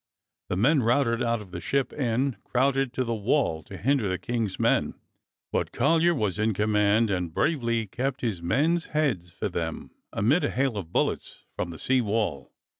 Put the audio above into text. The men routed out of the Ship Inn crowded to the wall to hinder the King's men, but Collyer was in command and bravely kept his men's heads for them amid a hail of bullets from the sea wall.